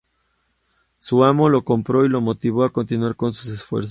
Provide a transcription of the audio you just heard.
Su amo lo compró y lo motivó a continuar con sus esfuerzos.